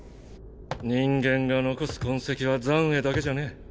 人間が残す痕跡は残穢だけじゃねぇ。